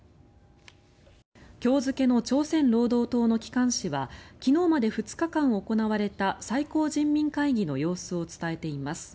今日付の朝鮮労働党の機関紙は昨日まで２日間行われた最高人民会議の様子を伝えています。